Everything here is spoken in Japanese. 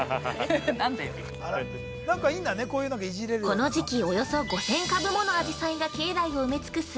◆この時期およそ５０００株ものあじさいが境内を埋め尽す